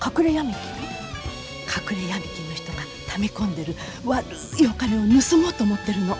隠れヤミ金の人がため込んでる悪いお金を盗もうと思ってるの。